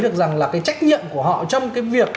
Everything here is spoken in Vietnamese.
được rằng là cái trách nhiệm của họ trong cái việc